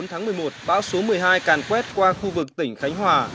hôm nay ngày bốn tháng một mươi một bão số một mươi hai càn quét qua khu vực tỉnh khánh hòa